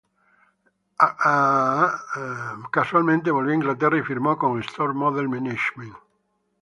Eventualmente volvió a Inglaterra y firmó con Storm Model Management.